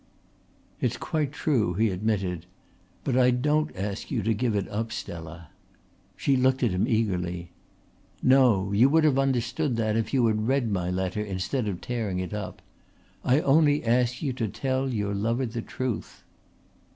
"It's quite true," he admitted. "But I don't ask you to give it up, Stella." She looked at him eagerly. "No! You would have understood that if you had read my letter instead of tearing it up. I only ask you to tell your lover the truth."